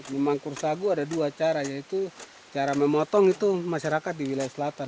memangkur sagu ada dua cara yaitu cara memotong itu masyarakat di wilayah selatan